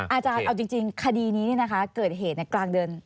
อาจารย์เอาจริงคดีนี้เกิดเหตุในกลางเดือน